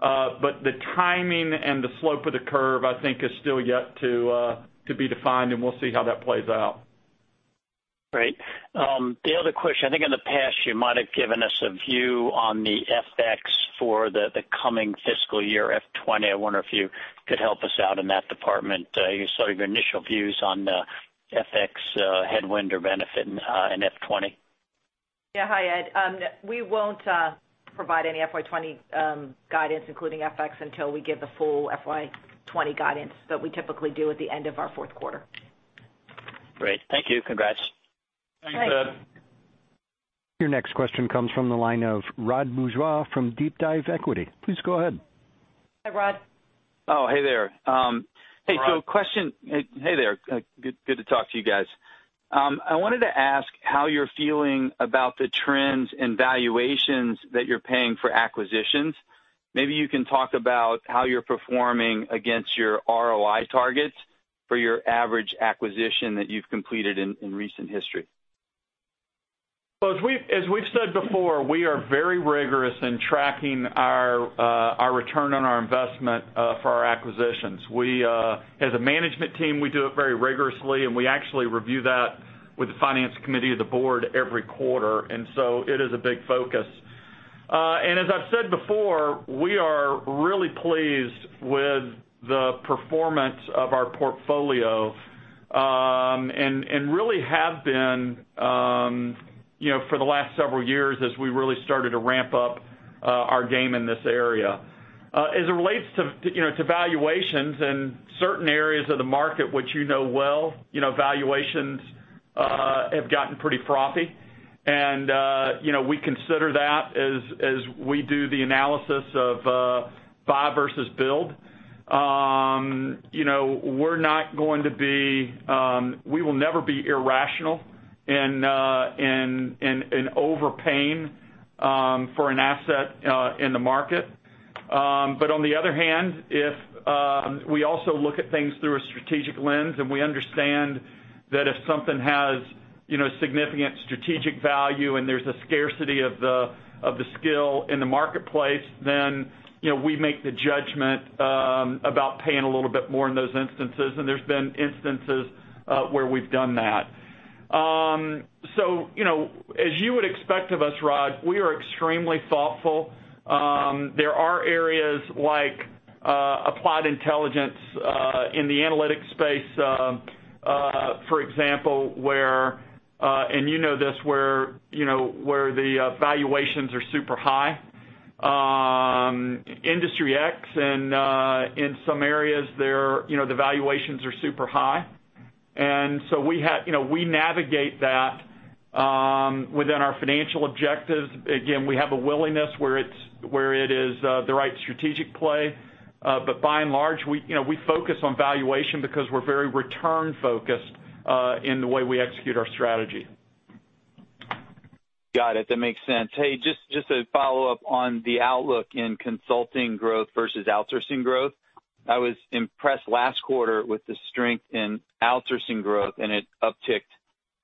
The timing and the slope of the curve, I think, is still yet to be defined, and we'll see how that plays out. Great. The other question, I think in the past you might have given us a view on the FX for the coming fiscal year, FY 2020. I wonder if you could help us out in that department, your initial views on the FX headwind or benefit in FY 2020. Yeah. Hi, Ed. We won't provide any FY 2020 guidance, including FX, until we give the full FY 2020 guidance that we typically do at the end of our fourth quarter. Great. Thank you. Congrats. Thanks. Thanks, Ed. Your next question comes from the line of Rod Bourgeois from DeepDive Equity. Please go ahead. Hi, Rod. Oh, hey there. Rod. Hey there. Good to talk to you guys. I wanted to ask how you're feeling about the trends and valuations that you're paying for acquisitions. Maybe you can talk about how you're performing against your ROI targets for your average acquisition that you've completed in recent history. As we've said before, we are very rigorous in tracking our return on our investment for our acquisitions. As a management team, we do it very rigorously, and we actually review that with the finance committee of the board every quarter, and so it is a big focus. As I've said before, we are really pleased with the performance of our portfolio, and really have been for the last several years as we really started to ramp up our game in this area. As it relates to valuations in certain areas of the market which you know well, valuations have gotten pretty frothy. We consider that as we do the analysis of buy versus build. We will never be irrational in overpaying for an asset in the market. On the other hand, we also look at things through a strategic lens. We understand that if something has significant strategic value and there's a scarcity of the skill in the marketplace, we make the judgment about paying a little bit more in those instances. There's been instances where we've done that. As you would expect of us, Rod, we are extremely thoughtful. There are areas like Applied Intelligence in the analytics space, for example, and you know this, where the valuations are super high. In Industry X and in some areas, the valuations are super high. We navigate that within our financial objectives. Again, we have a willingness where it is the right strategic play. By and large, we focus on valuation because we're very return-focused in the way we execute our strategy. Got it. That makes sense. Hey, just a follow-up on the outlook in consulting growth versus outsourcing growth. I was impressed last quarter with the strength in outsourcing growth, and it upticked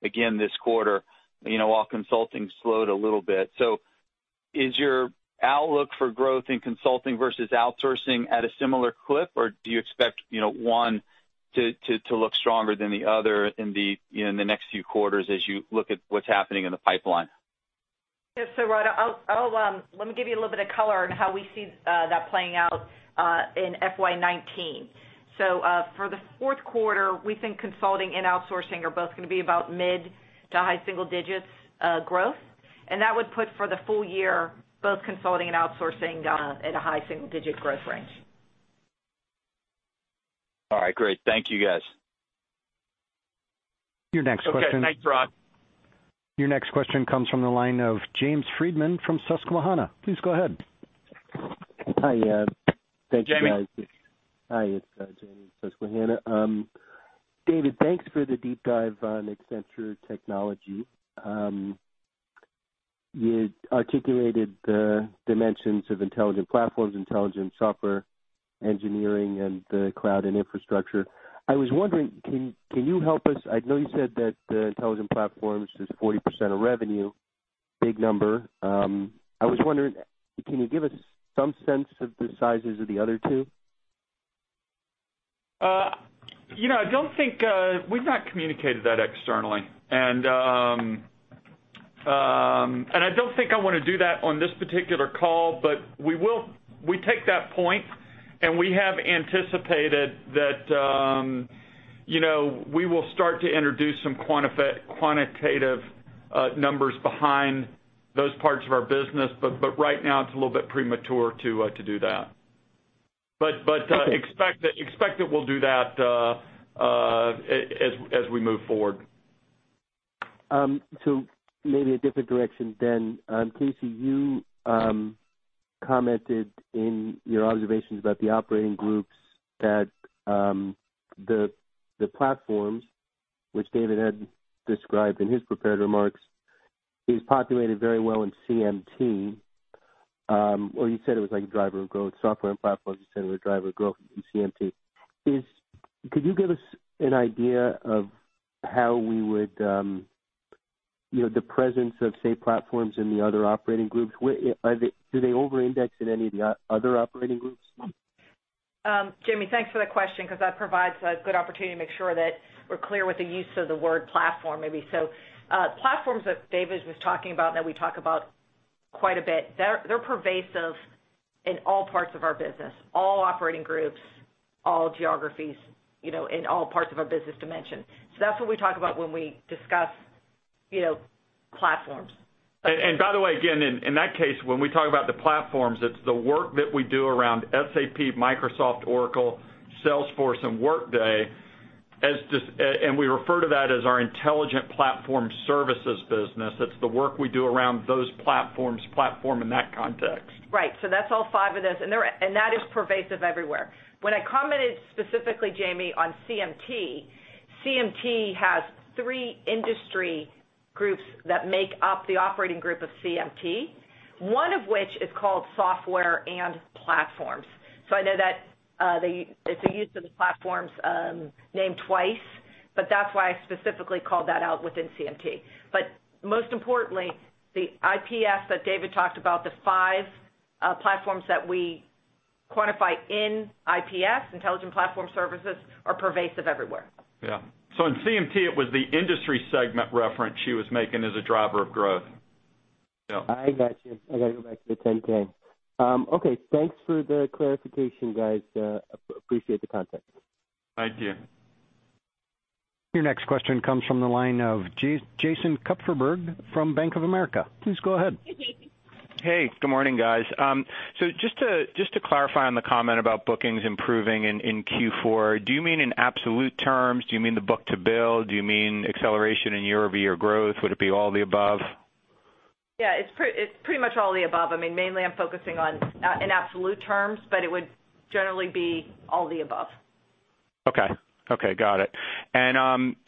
again this quarter, while consulting slowed a little bit. Is your outlook for growth in consulting versus outsourcing at a similar clip, or do you expect one to look stronger than the other in the next few quarters as you look at what's happening in the pipeline? Yeah. Rod, let me give you a little bit of color on how we see that playing out in FY 2019. For the fourth quarter, we think consulting and outsourcing are both going to be about mid to high single-digits growth. That would put for the full year, both consulting and outsourcing at a high single-digit growth range. All right, great. Thank you, guys. Okay. Thanks, Rod. Your next question comes from the line of James Friedman from Susquehanna. Please go ahead. Hi. Thanks, guys. Jamie. Hi, it's Jamie, Susquehanna. David, thanks for the deep dive on Accenture technology. You articulated the dimensions of intelligent platforms, intelligent software engineering, and the cloud and infrastructure. I was wondering, can you help us I know you said that the intelligent platforms is 40% of revenue, big number. I was wondering, can you give us some sense of the sizes of the other two? We've not communicated that externally. I don't think I want to do that on this particular call, we take that point, we have anticipated that we will start to introduce some quantitative numbers behind those parts of our business. Right now, it's a little bit premature to do that. Expect that we'll do that as we move forward. Maybe a different direction then. KC, you commented in your observations about the operating groups that the platforms, which David had described in his prepared remarks, is populated very well in CMT. Or you said it was like a driver of growth software and platforms, you said it was a driver of growth in CMT. Could you give us an idea of how we would the presence of, say, platforms in the other operating groups, do they over-index in any of the other operating groups? Jamie, thanks for that question because that provides a good opportunity to make sure that we're clear with the use of the word platform, maybe. Platforms that David was talking about, that we talk about quite a bit, they're pervasive in all parts of our business, all operating groups, all geographies, in all parts of our business dimension. That's what we talk about when we discuss platforms. By the way, again, in that case, when we talk about the platforms, it's the work that we do around SAP, Microsoft, Oracle, Salesforce, and Workday. We refer to that as our intelligent platform services business. It's the work we do around those platforms, platform in that context. That's all five of those, and that is pervasive everywhere. When I commented specifically, Jamie, on CMT has three industry groups that make up the operating group of CMT, one of which is called software and platforms. I know that it's a use of the platforms name twice, but that's why I specifically called that out within CMT. Most importantly, the IPS that David talked about, the five platforms that we quantify in IPS, intelligent platform services, are pervasive everywhere. Yeah. In CMT, it was the industry segment reference she was making as a driver of growth. Yeah. I got you. I got to go back to the 10K. Okay. Thanks for the clarification, guys. Appreciate the context. Thank you. Your next question comes from the line of Jason Kupferberg from Bank of America. Please go ahead. Hey, Jason. Hey, good morning, guys. Just to clarify on the comment about bookings improving in Q4, do you mean in absolute terms? Do you mean the book-to-bill? Do you mean acceleration in year-over-year growth? Would it be all the above? It's pretty much all the above. Mainly I'm focusing on in absolute terms, but it would generally be all the above. Okay. Got it.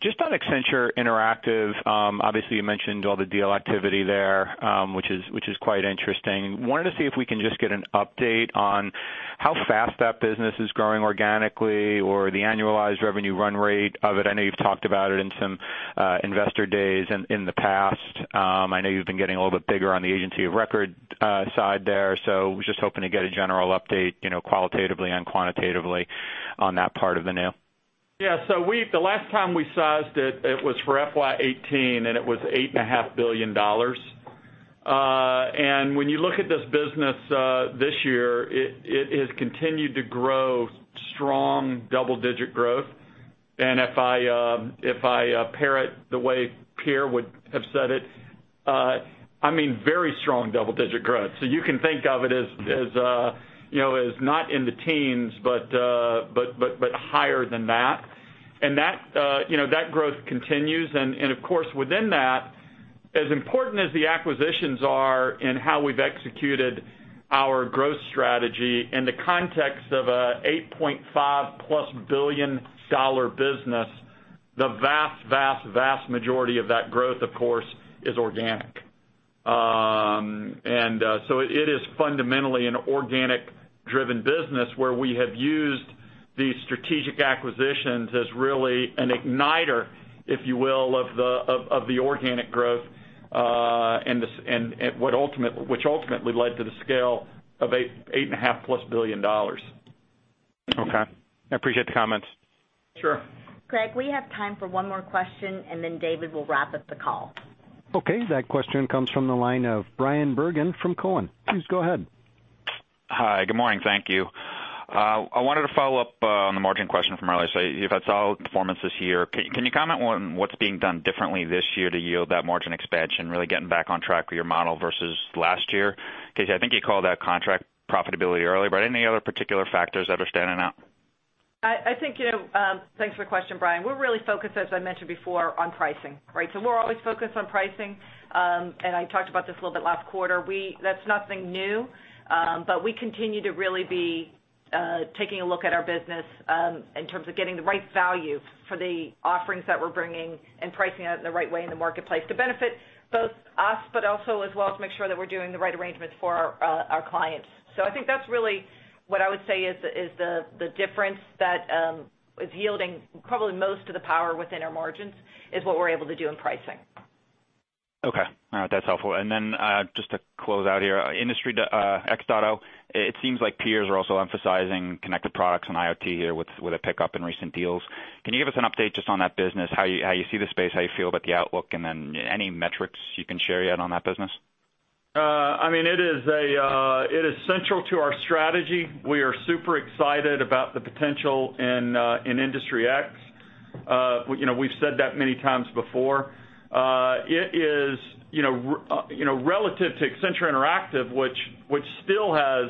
Just on Accenture Interactive, obviously you mentioned all the deal activity there, which is quite interesting. Wanted to see if we can just get an update on how fast that business is growing organically or the annualized revenue run rate of it. I know you've talked about it in some investor days in the past. I know you've been getting a little bit bigger on the agency of record side there. Was just hoping to get a general update qualitatively and quantitatively on that part of the new. Yeah. The last time we sized it was for FY 2018, it was $8.5 billion. When you look at this business this year, it has continued to grow strong double-digit growth. If I parrot the way Pierre would have said it, very strong double-digit growth. You can think of it as not in the teens, but higher than that. That growth continues, and of course, within that, as important as the acquisitions are in how we've executed our growth strategy in the context of a $8.5+ billion business, the vast, vast majority of that growth, of course, is organic. It is fundamentally an organic-driven business, where we have used these strategic acquisitions as really an igniter, if you will, of the organic growth which ultimately led to the scale of $8.5+ billion. Okay. I appreciate the comments. Sure. Greg, we have time for one more question, and then David will wrap up the call. Okay. That question comes from the line of Bryan Bergin from Cowen. Please go ahead. Hi. Good morning. Thank you. I wanted to follow up on the margin question from earlier. You've had solid performance this year. Can you comment on what's being done differently this year to yield that margin expansion, really getting back on track with your model versus last year? I think you called out contract profitability earlier, but any other particular factors that are standing out? Thanks for the question, Bryan. We're really focused, as I mentioned before, on pricing. Right? We're always focused on pricing, and I talked about this a little bit last quarter. That's nothing new. We continue to really be taking a look at our business in terms of getting the right value for the offerings that we're bringing and pricing it in the right way in the marketplace to benefit both us, but also as well to make sure that we're doing the right arrangements for our clients. I think that's really what I would say is the difference that is yielding probably most of the power within our margins, is what we're able to do in pricing. Okay. All right, that's helpful. Just to close out here, Industry X.0, it seems like peers are also emphasizing connected products and IoT here with a pickup in recent deals. Can you give us an update just on that business, how you see the space, how you feel about the outlook, and then any metrics you can share yet on that business? It is central to our strategy. We are super excited about the potential in Industry X. We've said that many times before. Relative to Accenture Interactive, which still has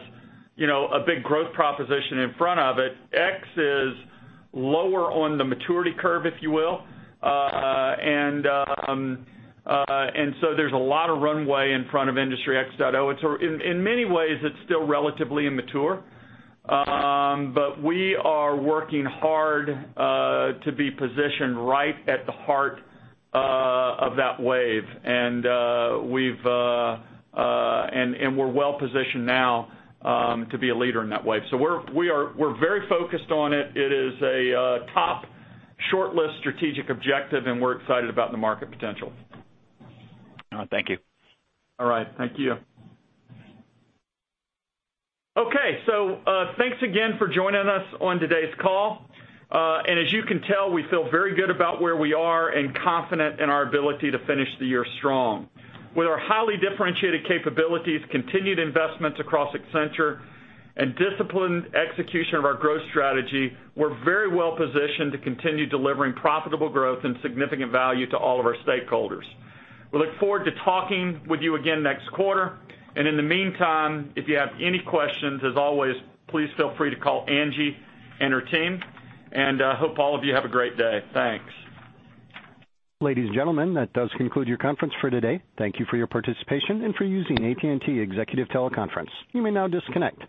a big growth proposition in front of it, X is lower on the maturity curve, if you will. There's a lot of runway in front of Industry X.0. In many ways, it's still relatively immature. We are working hard to be positioned right at the heart of that wave. We're well-positioned now to be a leader in that wave. We're very focused on it. It is a top shortlist strategic objective, and we're excited about the market potential. Thank you. All right. Thank you. Okay, thanks again for joining us on today's call. As you can tell, we feel very good about where we are and confident in our ability to finish the year strong. With our highly differentiated capabilities, continued investments across Accenture, and disciplined execution of our growth strategy, we're very well-positioned to continue delivering profitable growth and significant value to all of our stakeholders. We look forward to talking with you again next quarter. In the meantime, if you have any questions, as always, please feel free to call Angie and her team. Hope all of you have a great day. Thanks. Ladies and gentlemen, that does conclude your conference for today. Thank you for your participation and for using AT&T Executive Teleconference. You may now disconnect.